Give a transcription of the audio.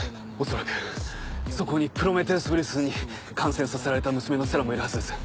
恐らくそこにプロメテウス・ウイルスに感染させられた娘の星来もいるはずです。